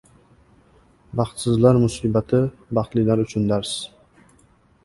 • Baxtsizlar musibati — baxtlilar uchun dars.